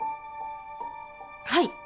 はい。